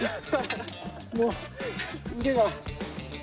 もう腕が。